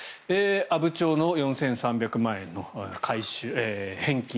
阿武町の４３００万円の返金。